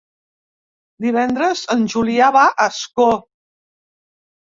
Divendres en Julià va a Ascó.